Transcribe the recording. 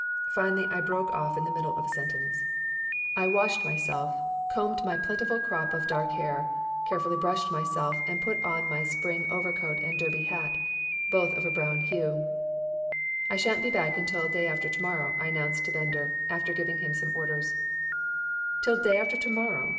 Finally I broke off in the middle of a sentence I washed myself, combed my plentiful crop of dark hair, carefully brushed myself, and put on my spring overcoat and derby hat both of a dark brown hue "I sha'n't be back until the day after to morrow," I announced to Bender, after giving him some orders "Till day after to morrow!"